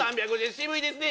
渋いですね